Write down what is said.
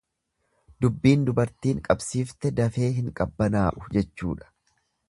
Dubbiin dubartiin qabsiifte dafee hin qabbanaa'u jechuudha.